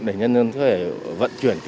để nhân dân có thể vận chuyển